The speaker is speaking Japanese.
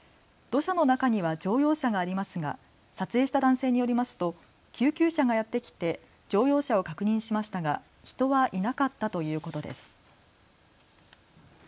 土砂の中には乗用車がありますが撮影した男性によりますと救急車がやってきて乗用車を確認しましたが人はいなかったということです。